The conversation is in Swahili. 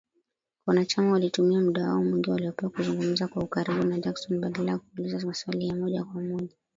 Wanachama walitumia muda wao mwingi waliopewa kuzungumza kwa ukaribu na Jackson, badala ya kuuliza maswali ya moja kwa moja